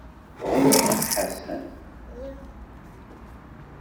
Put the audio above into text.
Ɣucceɣ Ḥasan.